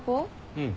うん。